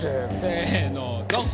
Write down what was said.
せぇのドン！